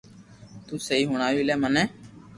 تو ھي ھڻاوي لي مني